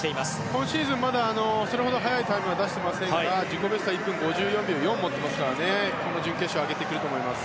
今シーズンそれほど早いタイムを出していませんが自己ベストは１分５４秒４を持っていますからこの準決勝上げてくると思います。